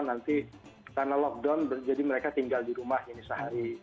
nanti karena lockdown jadi mereka tinggal di rumah ini sehari